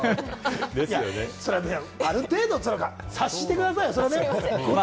ある程度、察してくださいよ。